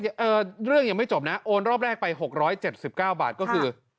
เรื่องยังไม่จบนะโอนรอบแรกไป๖๗๙บาทก็คือ